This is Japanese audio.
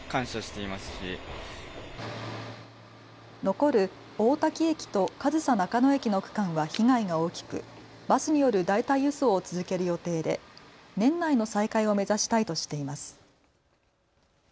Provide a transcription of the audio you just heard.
残る大多喜駅と上総中野駅の区間は被害が大きくバスによる代替輸送を続ける予定で年内の再開を目指したいとしています。